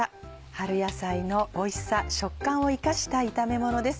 春野菜のおいしさ食感を生かした炒めものです。